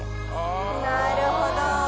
なるほど。